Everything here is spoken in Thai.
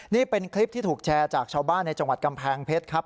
นี่เป็นคลิปที่ถูกแชร์จากชาวบ้านในจังหวัดกำแพงเพชรครับ